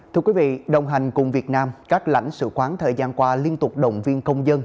thưa quý vị đồng hành cùng việt nam các lãnh sự quán thời gian qua liên tục động viên công dân